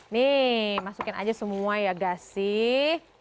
nih masukkan aja semua ya gak sih